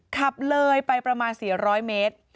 ขับเลยไปประมาณ๔๐๐เมตร